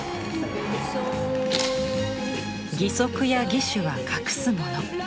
「義足や義手は隠すもの」